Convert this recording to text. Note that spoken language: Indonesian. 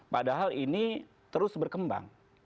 padahal ini terus berkembang